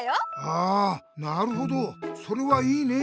あなるほどそれはいいねえ！